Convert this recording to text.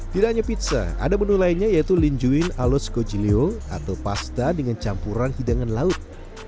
tidak hanya pizza ada menu lainnya yaitu linjuin aloskojilio atau pasta dengan campuran hidangan laut